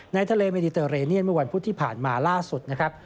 ในทะเลเมดิเตอร์เรเนียนเมื่อวันพุธที่ผ่านมาล่าสุดนะครับ